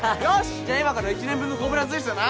じゃあ今から１年分のコブラツイストな。